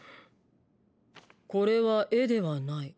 「これは絵ではない。